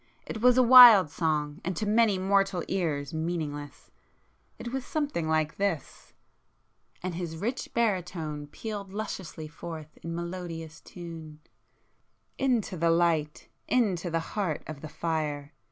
It was a wild song, and to many mortal ears meaningless,—it [p 354] was something like this ..." and his rich baritone pealed lusciously forth in melodious tune— Into the Light, Into the heart of the fire!